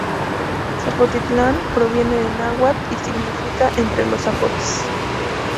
Zapotitlán proviene del náhuatl; y significa: ""entre los zapotes"".